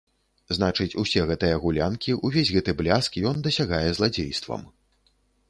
Значыць, усе гэтыя гулянкі, увесь гэты бляск ён дасягае зладзействам.